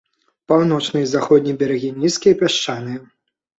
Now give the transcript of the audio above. Паўночны і заходні берагі нізкія, пясчаныя.